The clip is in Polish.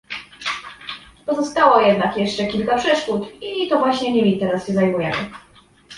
Pozostało jednak jeszcze kilka przeszkód i to właśnie nimi teraz się zajmujemy